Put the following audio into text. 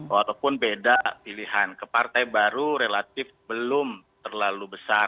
walaupun beda pilihan ke partai baru relatif belum terlalu besar